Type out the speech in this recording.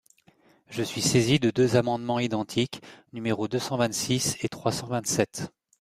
Je suis saisie de deux amendements identiques, numéros deux cent vingt-six et trois cent vingt-sept.